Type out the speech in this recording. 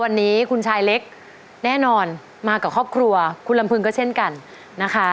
วันนี้คุณชายเล็กแน่นอนมากับครอบครัวคุณลำพึงก็เช่นกันนะคะ